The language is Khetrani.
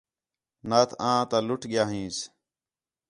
نات آں تا لُٹ ڳِیا ھینس